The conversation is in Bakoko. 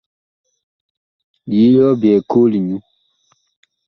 Yee ɔ byɛɛ ma koo liyo ?